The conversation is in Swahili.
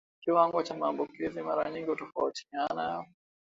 Kiwango cha maambukizi mara nyingi hutofautiana